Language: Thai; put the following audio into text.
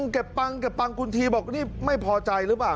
เก็บปังกุญธีบอกนี่ไม่พอใจหรือเปล่า